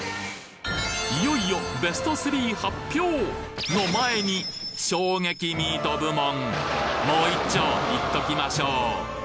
いよいよベスト３発表！の前に衝撃ミート部門もう一丁いっときましょう！